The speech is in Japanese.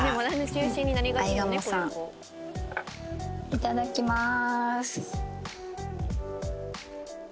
いただきまーす。